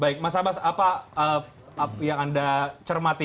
baik mas abbas apa yang anda cermati